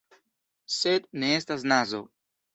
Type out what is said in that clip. Sed ne estas nazo.